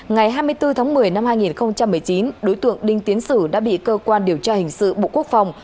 ngày hai mươi bốn tháng một mươi năm hai nghìn một mươi chín đối tượng đinh tiến sử đã bị cơ quan điều tra hình sự bộ quốc phòng